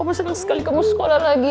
aku senang sekali kamu sekolah lagi